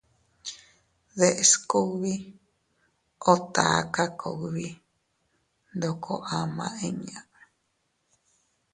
Deʼes kugbi o taka kugbi ndoko ama inña.